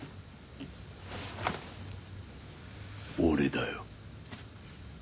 俺だよ。